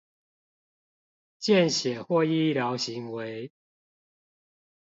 見血或醫療行為